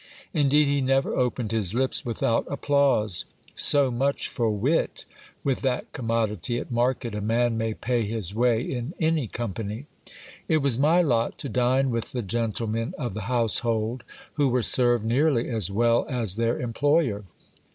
Indeed, he never opened his lips without applause. So much for wit ! with that commodity at market, a man may pay his way in any company. It was my lot to dine with the gentlemen of the household, who were served nearly as well as their employer.